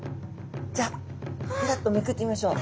じゃあペラッとめくってみましょう。